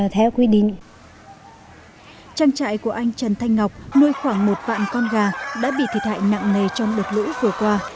trang trại của anh trần thanh ngọc nuôi khoảng một vạn con gà đã bị thiệt hại nặng nề trong đợt lũ vừa qua